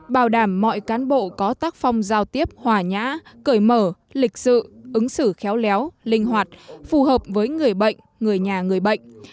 bảo đảm mọi cán bộ có tác phong giao tiếp hòa nhã cởi mở lịch sự ứng xử khéo léo linh hoạt phù hợp với người bệnh người nhà người bệnh